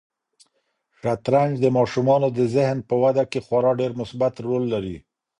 شطرنج د ماشومانو د ذهن په وده کې خورا ډېر مثبت رول لري.